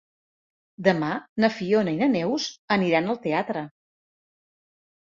Demà na Fiona i na Neus aniran al teatre.